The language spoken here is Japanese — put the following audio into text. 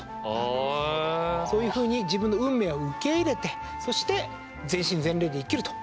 そういうふうに自分の運命を受け入れてそして全身全霊で生きると。